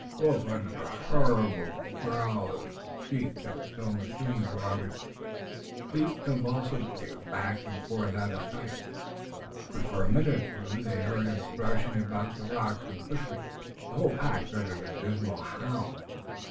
The wolf uttered a horrible growling shriek that was almost human to Robert, leaped convulsively back and out of sight, but for a minute or two they heard him threshing among the rocks and bushes. The whole pack uttered a dismal howl.